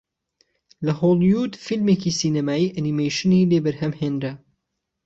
لە هۆڵیوود فیلمێکی سینەمایی ئەنیمەیشنی لێ بەرهەم هێنرا